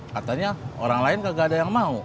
katanya orang lain gak ada yang mau